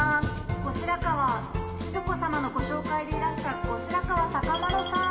「後白河静子様のご紹介でいらした後白河孝麿さん」